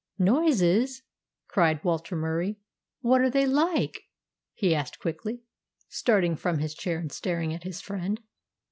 "Noises!" cried Walter Murie. "What are they like?" he asked quickly, starting from his chair, and staring at his friend.